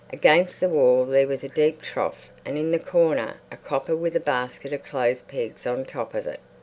Against the wall there was a deep trough and in the corner a copper with a basket of clothes pegs on top of it.